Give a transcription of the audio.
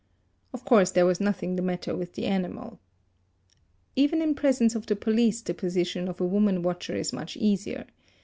Of course there was nothing the matter with the animal. Evenin presence of the police the position of a woman watcher is much easier.